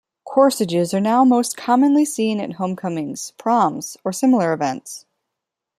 Corsages are now most commonly seen at homecomings, proms, or similar events.